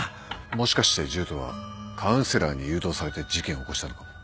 もしかしてジュートはカウンセラーに誘導されて事件を起こしたのか？